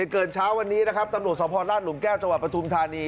เกิดเช้าวันนี้นะครับตำรวจสพลาดหลุมแก้วจังหวัดปฐุมธานี